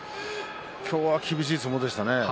今日は厳しい相撲でしたね。